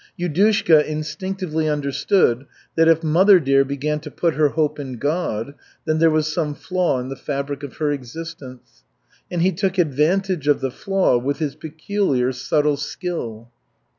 Yudushka instinctively understood that if mother dear began to put her hope in God, then there was some flaw in the fabric of her existence. And he took advantage of the flaw with his peculiar, subtle skill.